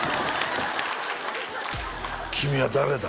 「君は誰だ？」